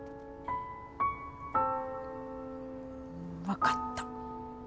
分かった。